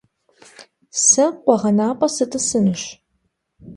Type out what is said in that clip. Se khueğenap'e sıt'ısınuş.